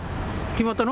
決まったの？